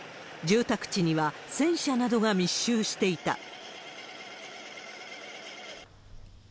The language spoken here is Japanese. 住宅地には戦車などが密集していた。